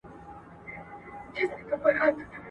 یو ځلی بیا کړي مځکه مسته د زلمیو پایکوب ..